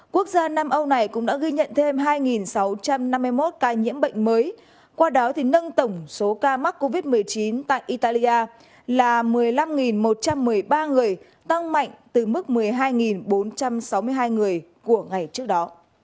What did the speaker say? quốc gia nam âu này cũng đã ghi nhận thêm hai sáu trăm năm mươi một ca nhiễm bệnh mới qua đó nâng tổng số ca mắc covid một mươi chín tại italia là một mươi năm một trăm một mươi ba người tăng mạnh từ mức một mươi hai bốn trăm sáu mươi hai người của ngày trước đó